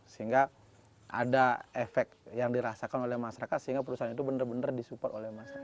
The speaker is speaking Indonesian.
sehingga ada efek yang dirasakan oleh masyarakat sehingga perusahaan itu benar benar disupport oleh masyarakat